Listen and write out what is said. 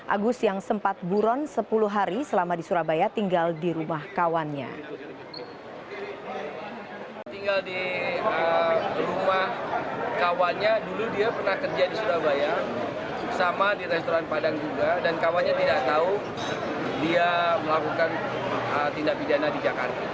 agus yang sempat buron sepuluh hari selama di surabaya tinggal di rumah kawannya